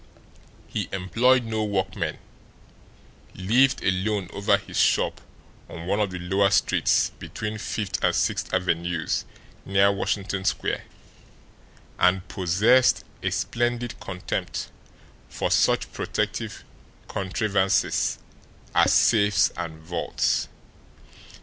He employed no workmen, lived alone over his shop on one of the lower streets between Fifth and Sixth Avenues near Washington Square and possessed a splendid contempt for such protective contrivances as safes and vaults.